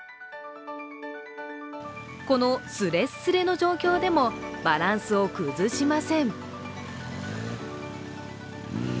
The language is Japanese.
このスレッスレの状況でもバランスを崩しません。